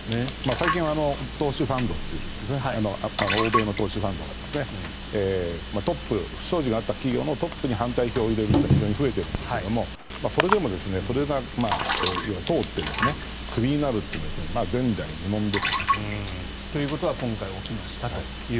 最近は欧米の投資ファンドが不祥事があった企業のトップに反対票を入れることが非常に増えているんですがそれでも、それが通ってクビになるっていうのは前代未聞ですね。ということが今回起きましたと。